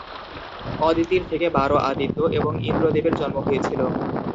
অদিতির থেকে বারো আদিত্য এবং ইন্দ্র দেবের জন্ম হয়েছিল।